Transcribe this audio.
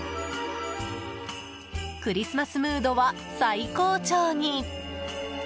クリスマスムードは最高潮に。